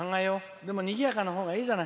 でも、にぎやかなほうがいいじゃない。